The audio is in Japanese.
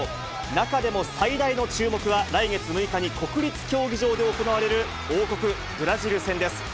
中でも最大の注目は、来月６日に国立競技場で行われる、王国、ブラジル戦です。